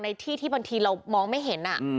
ในที่ที่บางทีเรามองไม่เห็น